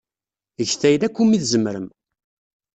Get ayen akk umi tzemrem.